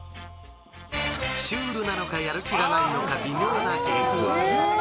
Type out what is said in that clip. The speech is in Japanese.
シュールなのかやる気がないのか不思議な芸風。